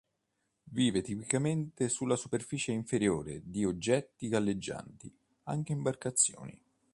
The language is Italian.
Vive tipicamente sulla superficie inferiore di oggetti galleggianti, anche imbarcazioni.